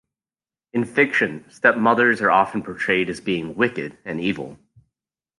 In fiction, stepmothers are often portrayed as being wicked and evil.